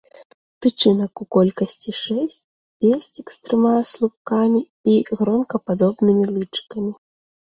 Тычынак у колькасці шэсць, песцік з трыма слупкамі і гронкападобнымі лычыкамі.